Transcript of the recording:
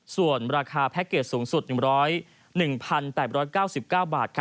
ส่วนราคาแพ็คเกจสูงสุด๑๐๑๘๙๙บาท